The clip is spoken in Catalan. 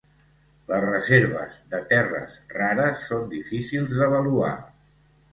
Les reserves de terres rares són difícils d’avaluar.